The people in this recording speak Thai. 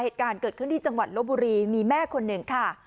เหตุการณ์เกิดขึ้นที่จังหวัดลบบุรีมีแม่คนหนึ่งค่ะ